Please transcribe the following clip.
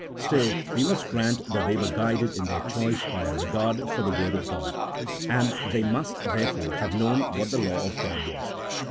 Still, we must grant that they were guided in their choice by a regard for the Word of God ; and they must, therefore, have known what the law of God was.